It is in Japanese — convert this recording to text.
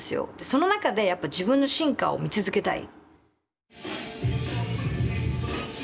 その中でやっぱ自分の進化を見続けたい。